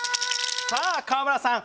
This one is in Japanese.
さあ川村さん